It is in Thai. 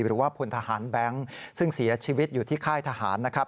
หรือว่าพลทหารแบงค์ซึ่งเสียชีวิตอยู่ที่ค่ายทหารนะครับ